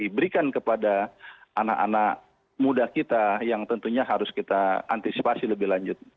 diberikan kepada anak anak muda kita yang tentunya harus kita antisipasi lebih lanjut